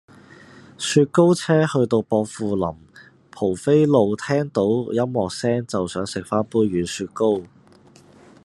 雪糕車去到薄扶林蒲飛路聽到音樂聲就想食返杯軟雪糕